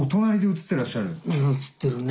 写ってるね。